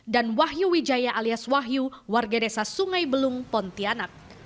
dan wahyu wijaya alias wahyu warga desa sungai belung pontianak